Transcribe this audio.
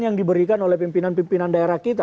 yang diberikan oleh pimpinan pimpinan daerah kita